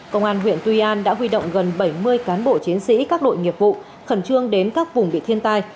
công an huyện tuy an đã huy động gần bảy mươi cán bộ chiến sĩ các đội nghiệp vụ khẩn trương đến các vùng bị thiên tai